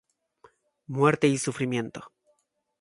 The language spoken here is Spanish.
Muerte y sufrimiento.